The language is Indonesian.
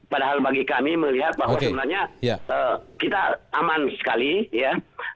padahal bagi kami melihat bahwa sebenarnya kita aman sekali ya